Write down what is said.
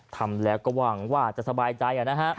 ทำแล้วก็หวังว่าจะสบายใจนะฮะ